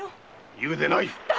言うでない！